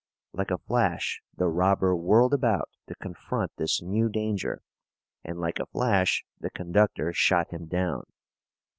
Like a flash the robber whirled about to confront this new danger, and like a flash the conductor shot him down.